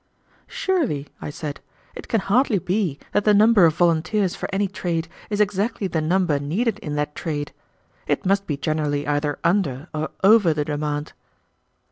"Surely," I said, "it can hardly be that the number of volunteers for any trade is exactly the number needed in that trade. It must be generally either under or over the demand."